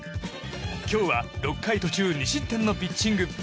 今日は６回途中２失点のピッチング。